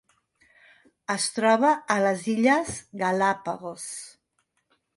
Es troba a les Illes Galápagos.